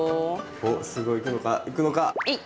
おすごいいくのか⁉いくのか⁉えい！